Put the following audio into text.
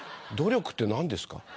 「努力」って何ですか？